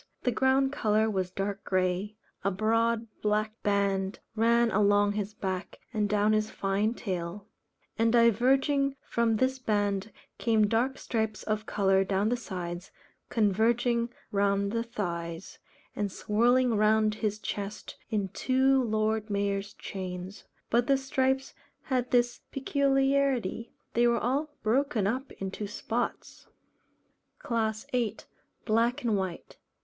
The ground colour was dark grey; a broad black band ran along his back and down his fine tail; and diverging from this band came dark stripes of colour down the sides, converging round the thighs, and swirling round his chest in two Lord Mayor's chains; but the stripes had this peculiarity, they were all broken up into spots. CLASS VIII. _Black and White.